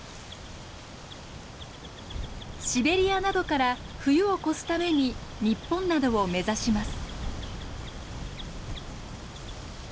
シベリアなどから冬を越すために日本などを目指します。